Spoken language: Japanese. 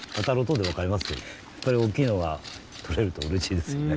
やっぱり大きいのがとれるとうれしいですよね